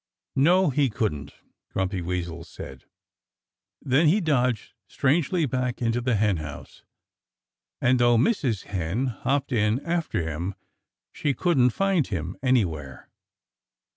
"No, he couldn't!" Grumpy Weasel said. Then he dodged strangely back into the henhouse. And though Mrs. Hen hopped in after him she couldn't find him anywhere.